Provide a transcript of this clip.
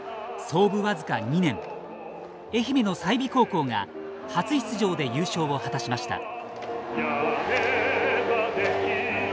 創部わずか２年愛媛の済美高校が初出場で優勝を果たしました。